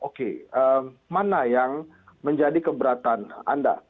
oke mana yang menjadi keberatan anda